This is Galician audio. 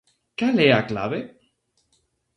Cal é a clave?